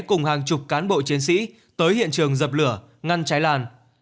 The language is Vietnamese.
cùng hàng chục cán bộ chiến sĩ tới hiện trường dập lửa ngăn cháy lan